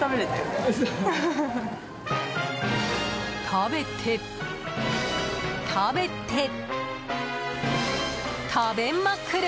食べて、食べて、食べまくる！